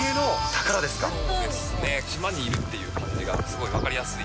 ですね、島にいるっていう感じがすごい分かりやすい。